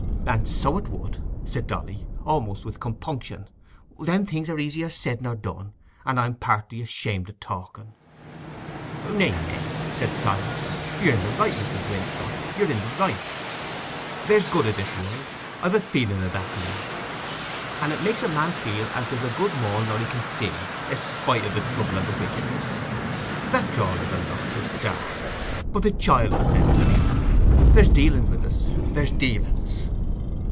"And so it would," said Dolly, almost with compunction; "them things are easier said nor done; and I'm partly ashamed o' talking." "Nay, nay," said Silas, "you're i' the right, Mrs. Winthrop—you're i' the right. There's good i' this world—I've a feeling o' that now; and it makes a man feel as there's a good more nor he can see, i' spite o' the trouble and the wickedness. That drawing o' the lots is dark; but the child was sent to me: there's dealings with us—there's dealings."